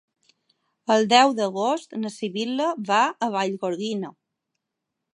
El deu d'agost na Sibil·la va a Vallgorguina.